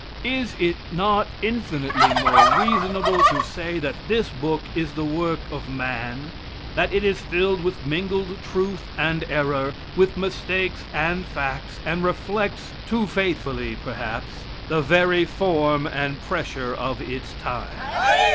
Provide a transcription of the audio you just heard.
Is it not infinitely more reasonable to say that this book is the work of man, that it is filled with mingled truth and error, with mistakes and facts, and reflects, too faithfully perhaps, the "very form and pressure of its time?"